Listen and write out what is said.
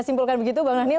simpulkan begitu bang nahnil